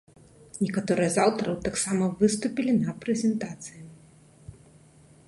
Некаторыя з аўтараў таксама выступілі на прэзентацыі.